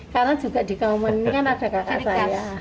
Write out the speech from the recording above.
karena juga di kauman ini kan ada kakak saya